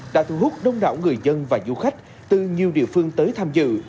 đã thu hút đông đảo người dân và du khách từ nhiều địa phương tới tham dự